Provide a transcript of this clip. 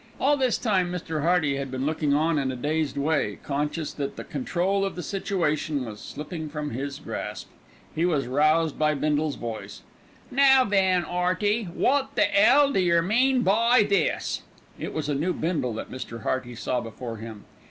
All this time Mr. Hearty had been looking on in a dazed way, conscious that the control of the situation was slipping from his grasp. He was roused by Bindle's voice. "Now then, 'Earty, wot the 'ell do yer mean by this?" It was a new Bindle that Mr. Hearty saw before him.